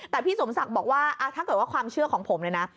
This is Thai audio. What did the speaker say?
แต่พี่สมศักดิ์บอกว่าถ้าเกิดว่าความเชื่อของผมเลยนะ